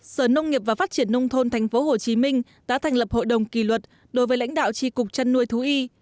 sở nông nghiệp và phát triển nông thôn tp hcm đã thành lập hội đồng kỳ luật đối với lãnh đạo tri cục trăn nuôi thú y